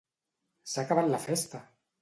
S'ha acabat la festa!